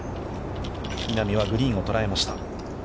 稲見はグリーンを捉えました。